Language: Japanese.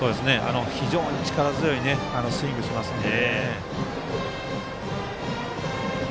非常に力強いスイングしますね。